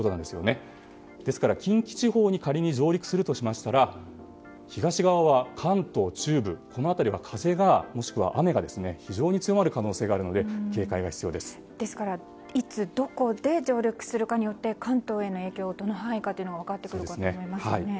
ですから近畿地方に仮に上陸するとしましたら東側は関東中部、この辺りは風、もしくは雨が非常に強まる可能性があるのでいつ、どこで上陸するかによって関東への影響、どの範囲かが分かってくるかと思いますね。